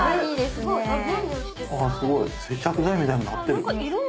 すごい！接着剤みたいになってる。